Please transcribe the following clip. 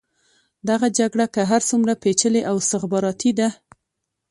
دغه جګړه که هر څومره پېچلې او استخباراتي ده.